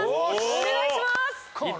お願いします！